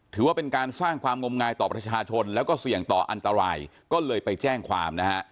ถือว่าเป็นการสร้างความงมงายต่อประชาชนแล้วก็เสี่ยงต่ออันตรายก็เลยไปแจ้งความนะฮะ